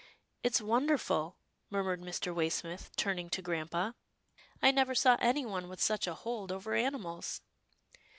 " It's wonderful," murmured Mr. Waysmith, turning to grampa. " I never saw anyone with such a hold over animals."